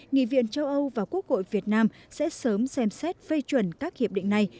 nghị viện châu âu và quốc hội việt nam sẽ sớm xem xét phê chuẩn các hiệp định này